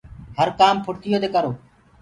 هر ڪآم ڦُڙتيو دي ڪرو۔